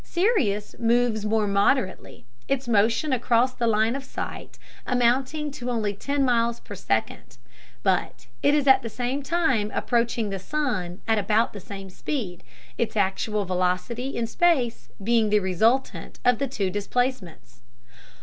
Sirius moves more moderately, its motion across the line of sight amounting to only ten miles per second, but it is at the same time approaching the sun at about the same speed, its actual velocity in space being the resultant of the two displacements.